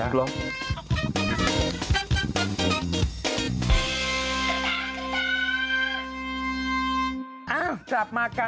อ่าต่อมากัน